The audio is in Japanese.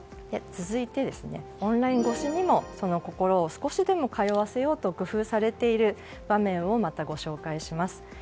続いてオンライン越しにもその心を少しでも通わせようと工夫されている場面をご紹介します。